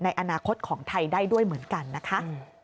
ในอนาคตของไทยได้ด้วยเหมือนกันนะคะ